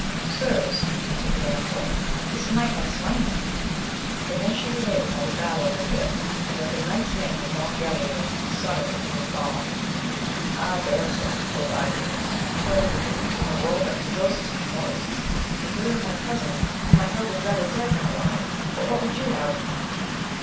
Sirs, said the damsel, this knight hath slain him; and then she related how the battle had been, and that the knight's name was Don Galaor, son of the King of Gaul. Ah, damsel, quoth Agrayes, you tell me the news in the world that rejoices me most ! to hear of ray cousin, whom I held as rather dead than alive ; but what • would you have with him